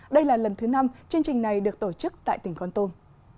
đây là lần thứ năm chương trình này được tổ chức tại tỉnh con tum